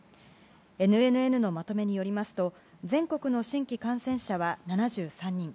ＮＮＮのまとめによりますと全国の新規感染者は７３人。